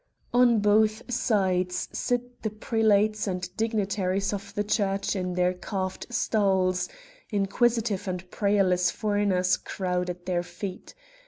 On both sides sit the prelates and dignitaries of the church in their carved stalls, inquisitive and prayerless foreigners crowd at their feet.